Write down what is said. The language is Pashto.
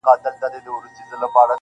ښکلی یې قد و قامت وو ډېر بې حده حسندار,